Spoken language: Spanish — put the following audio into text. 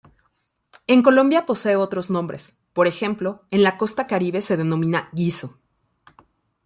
En Colombia posee otros nombres, por ejemplo, en la Costa Caribe se denomina "guiso.